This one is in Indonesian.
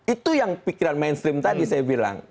itu yang pikiran mainstream tadi saya bilang